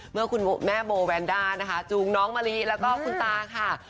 เมื่อคุณแม่โบแวนด้านะคะจูงน้องมะลิแล้วก็คุณตาค่ะ